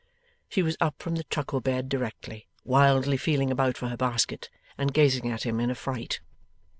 She was up from the truckle bed directly, wildly feeling about her for her basket, and gazing at him in affright.